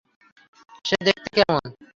সে দেখতে কেমন?